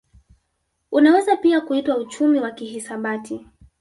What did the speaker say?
Unaweza pia kuitwa uchumi wa kihisabati